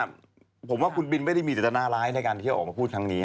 ผมว่าคุณบินไม่ได้มีจตนาร้ายในการที่จะออกมาพูดครั้งนี้